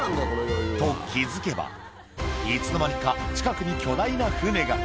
と、気付けば、いつの間にか、近くに巨大な船が。